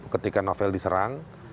ketika novel diserang